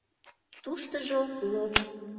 Туштыжо лоп.